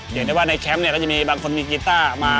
อย่างได้ว่าในแชมป์เนี่ยก็จะมีบางคนมีกีต้ามา